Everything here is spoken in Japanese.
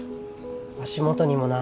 足元にもな。